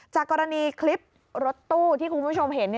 จากกรณีคลิปรถตู้ที่คุณผู้ชมเห็น